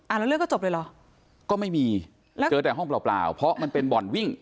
แล้วเรื่องก็จบเลยเหรอก็ไม่มีแล้วเจอแต่ห้องเปล่าเปล่าเพราะมันเป็นบ่อนวิ่ง